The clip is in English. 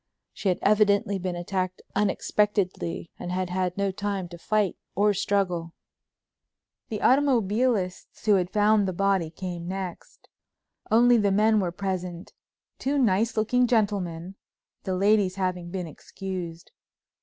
She had evidently been attacked unexpectedly and had had no time to fight or struggle. The automobilists who had found the body came next. Only the men were present—two nice looking gentlemen—the ladies having been excused.